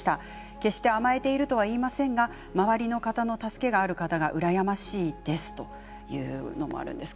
決して甘えているとは言いませんが、周りの方の助けがある方が羨ましいですという声もあります。